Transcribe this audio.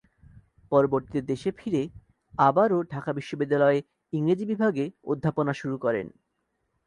পরবর্তীতে দেশে ফিরে আবারো ঢাকা বিশ্ববিদ্যালয়ে ইংরেজি বিভাগে অধ্যাপনা শুরু করেন।